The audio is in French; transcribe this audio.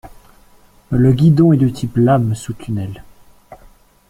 Le guidon est de type lame sous tunnel.